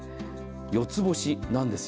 四つ星なんですよ。